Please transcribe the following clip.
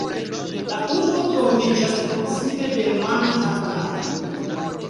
La urbo troviĝas proksime de Manhattan.